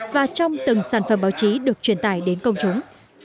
và trong từng sản phẩm báo chí được truyền tải đến công chúng